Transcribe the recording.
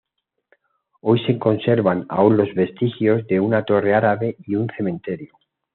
Hoy se conservan aún los vestigios de una torre árabe y un cementerio.